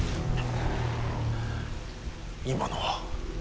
今のは。